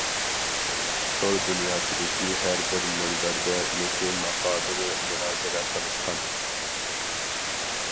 تور دۇنياسىدىكى ھەربىر مۇنبەردە مۇشۇ ماقالىنى مۇنازىرە قىلىشقان!